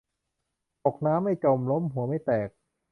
ตกน้ำไม่จม ล้มหัวไม่แตก